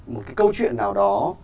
một cái câu chuyện nào đó